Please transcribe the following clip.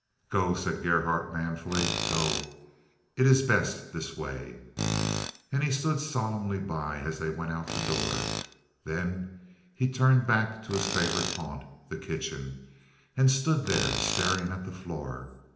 "Go," said Gerhardt, manfully, "go. It is best this way." And he stood solemnly by as they went out of the door. Then he turned back to his favorite haunt, the kitchen, and stood there staring at the floor.